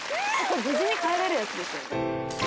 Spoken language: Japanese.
無事に帰れるやつですよね？